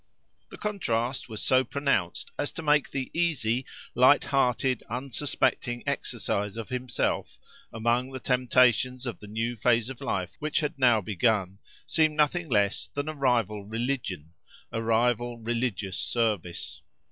The contrast was so pronounced as to make the easy, light hearted, unsuspecting exercise of himself, among the temptations of the new phase of life which had now begun, seem nothing less than a rival religion, a rival religious service.